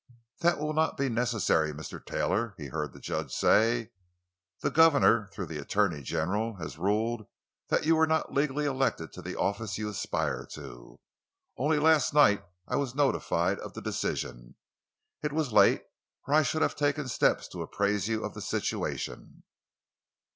"That will not be necessary, Mr. Taylor," he heard the judge say. "The governor, through the attorney general, has ruled you were not legally elected to the office you aspire to. Only last night I was notified of the decision. It was late, or I should have taken steps to apprise you of the situation."